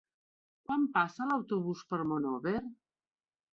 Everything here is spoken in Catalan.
Quan passa l'autobús per Monòver?